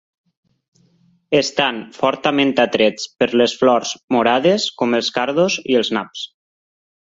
Estan fortament atrets per les flors morades com els cardos i els naps.